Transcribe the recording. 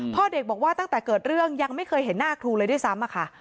พ่อเด็กบอกว่าตั้งแต่เกิดเรื่องยังไม่เคยเห็นหน้าครูเลยด้วยซ้ำอะค่ะ